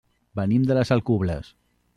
Venim de les Alcubles.